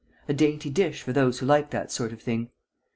"A dainty dish for those who like that sort of thing!